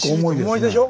重いでしょ。